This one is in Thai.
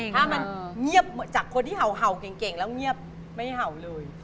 ถ้ามันเงียบจากคนที่เห่าเก่งแล้วเงียบไม่เห่าเลย